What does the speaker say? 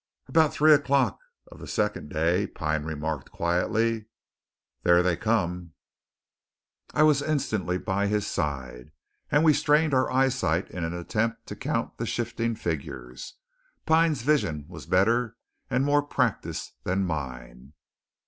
About three o'clock of the second day Pine remarked quietly: "Thar they come!" I was instantly by his side, and we strained our eyesight in an attempt to count the shifting figures. Pine's vision was better and more practised than mine.